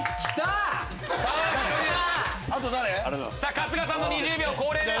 春日さんの２０秒恒例です。